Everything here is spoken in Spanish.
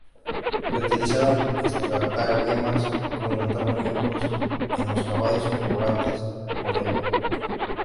Se utilizaban estratagemas como montar muñecos en los caballos sobrantes, por ejemplo.